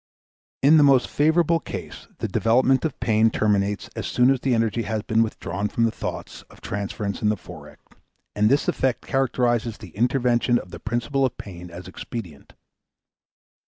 In the most favorable case the development of pain terminates as soon as the energy has been withdrawn from the thoughts of transference in the Forec., and this effect characterizes the intervention of the principle of pain as expedient.